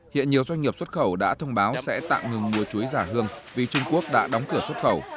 hiện nhiều doanh nghiệp xuất khẩu đã thông báo sẽ tạm ngừng mua chuối giả hương vì trung quốc đã đóng cửa xuất khẩu